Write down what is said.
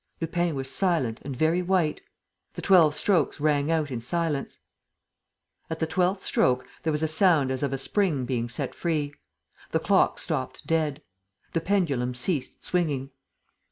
Lupin was silent and very white. The twelve strokes rang out in the silence. At the twelfth stroke, there was a sound as of a spring being set free. The clock stopped dead. The pendulum ceased swinging.